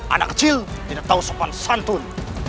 anak kecil tidak tahu sopan santun